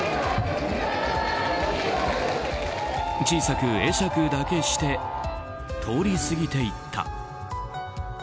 小さく会釈だけして通り過ぎていった。